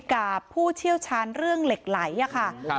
กับผู้เชี่ยวชาญเรื่องเหล็กไหลอะค่ะ